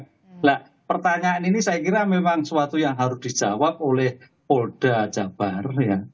nah pertanyaan ini saya kira memang suatu yang harus dijawab oleh polda jabar